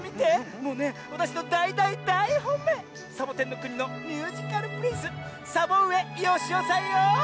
もうねわたしのだい・だい・だいほんめいサボテンのくにのミュージカルプリンスサボうえよしおさんよ。